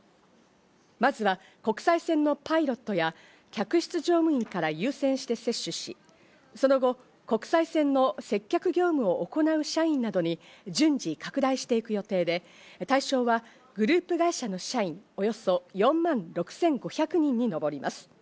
まずは国際線のパイロットや客室乗務員から優先して接種し、その後、国際線の接客業務を行う社員などに順次拡大していく予定で対象はグループ会社の社員およそ４万６５００人に上ります。